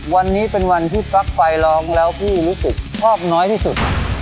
วันนี้เป็นวันที่ปลั๊กไฟร้องแล้วผู้รู้สึกชอบน้อยที่สุด